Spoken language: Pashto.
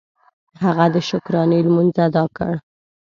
هغه د شکرانې لمونځ ادا کړ.